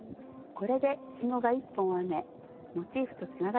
これでひもが１本編めモチーフとつながりました。